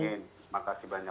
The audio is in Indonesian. amin terima kasih banyak